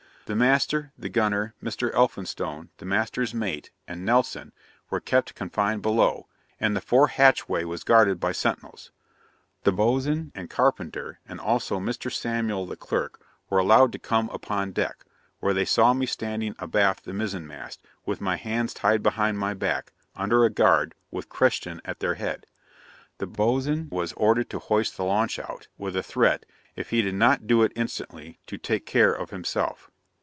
The master, the gunner, Mr. Elphinstone, the master's mate, and Nelson, were kept confined below; and the fore hatchway was guarded by sentinels. The boatswain and carpenter, and also Mr. Samuel the clerk, were allowed to come upon deck, where they saw me standing abaft the mizen mast, with my hands tied behind my back, under a guard, with Christian at their head. The boatswain was ordered to hoist the launch out, with a threat, if he did not do it instantly, to take care of himself.